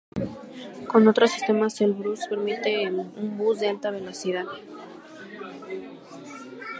Con otros sistemas Elbrús permite un bus de alta velocidad.